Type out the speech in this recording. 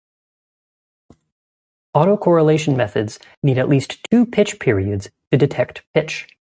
Autocorrelation methods need at least two pitch periods to detect pitch.